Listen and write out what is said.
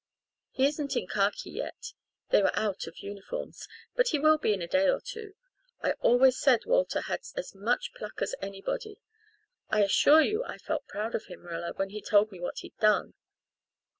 He isn't in khaki yet they were out of uniforms but he will be in a day or two. I always said Walter had as much pluck as anybody. I assure you I felt proud of him, Rilla, when he told me what he'd done.